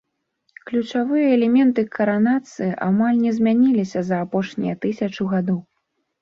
Ключавыя элементы каранацыі амаль не змяніліся за апошнія тысячу гадоў.